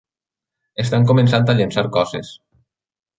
Estan començant a llençar coses!